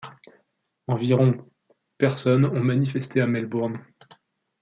Environ personnes ont manifesté à Melbourne.